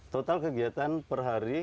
total kegiatan per hari